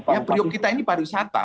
ya periuk kita ini para wisata